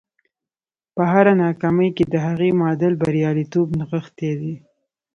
په هره ناکامي کې د هغې معادل برياليتوب نغښتی دی.